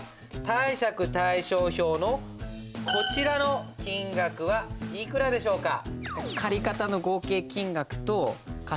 貸借対照表のこちらの金額はいくらでしょうか？